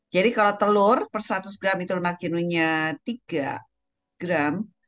jadi kalau telur per seratus gram itu lemak jenuhnya tiga gram